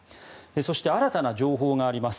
そして新たな情報があります。